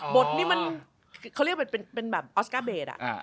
บทนี้มันเขาเรียกว่าเป็นแบบออสการ์เบส